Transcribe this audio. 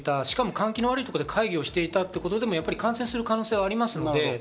しかも換気の悪いところで会議をしていたということでも感染する可能性はあります。